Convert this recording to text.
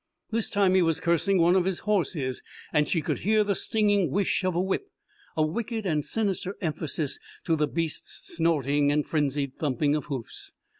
This time he was cursing one of his horses, and she could hear the stinging whish of a whip, a wicked and sinister emphasis to the beast's snorting and frenzied thumping of hoofs.